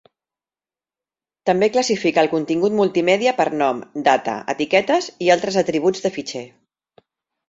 També classifica el contingut multimèdia per nom, data, etiquetes i altres atributs de fitxer.